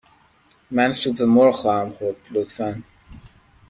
من سوپ مرغ خواهم خورد، لطفاً.